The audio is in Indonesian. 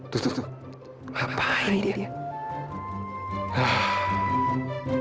tapi senin harinya kenceng